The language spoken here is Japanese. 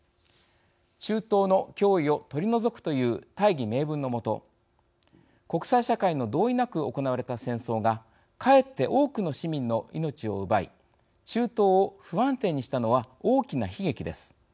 中東の脅威を取り除くという大義名分の下国際社会の同意なく行われた戦争がかえって多くの市民の命を奪い中東を不安定にしたのは大きな悲劇です。